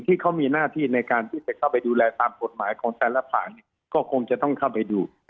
ที่เขามีหน้าที่ในการที่จะเข้าไปดูแลตามกฎหมายของแต่ละฝ่ายก็คงจะต้องเข้าไปดู